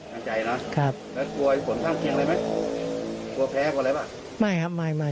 มั่นใจเนอะแล้วกลัวไอ้ฝนข้างเคียงเลยไหมกลัวแพ้กว่าอะไรหรือเปล่า